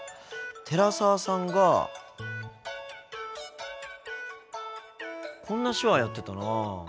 寺澤さんがこんな手話やってたな。